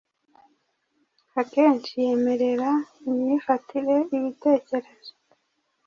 Akenshi yemerera imyifatire ibitekerezo